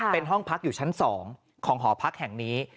เป็นห้องพักอยู่ชั้น๒ของหอพักแห่งนี้